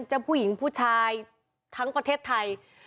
เจ้าผู้หญิงผู้ชายทั้งประเทศไทย